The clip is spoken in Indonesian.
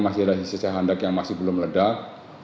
masih ada sisa handak yang masih belum ledak